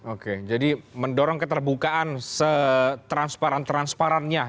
oke jadi mendorong keterbukaan setransparan transparannya